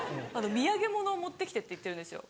土産物を持ってきてって言ってるんですよ。